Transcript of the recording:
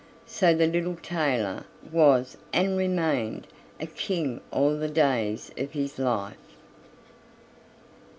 So the little tailor was and remained a king all the days of his life.